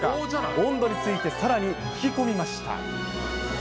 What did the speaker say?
温度についてさらに聞き込みました。